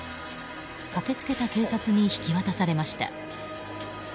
駆けつけた警察に引き渡されました。